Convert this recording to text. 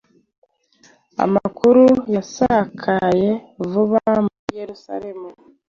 Amakuru yasakaye vuba muri Yerusalemu,